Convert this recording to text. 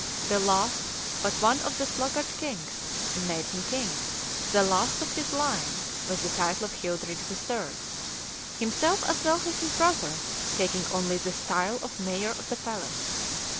the last but one of the sluggard kings, and made him king, the last of his line, with the title of Childeric III., himself, as well as his brother, taking only the style of mayor of the palace.